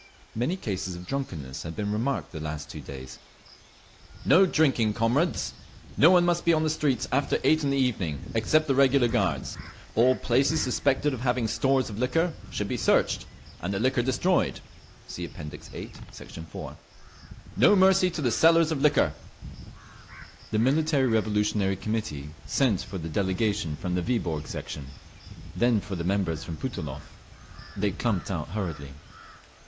Many cases of drunkenness had been remarked the last two days. "No drinking, comrades! No one must be on the streets after eight in the evening, except the regular guards. All places suspected of having stores of liquor should be searched, and the liquor destroyed. (See App. VIII, Sect. 4) No mercy to the sellers of liquor…." The Military Revolutionary Committee sent for the delegation from the Viborg section; then for the members from Putilov. They clumped out hurriedly.